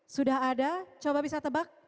sudah ada coba bisa tebak